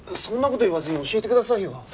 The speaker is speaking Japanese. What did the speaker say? そんな事言わずに教えてくださいよ。